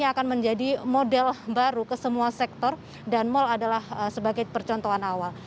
yang akan menjadi model baru ke semua sektor dan mal adalah sebagai percontohan awal